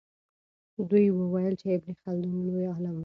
دوی وویل چې ابن خلدون لوی عالم و.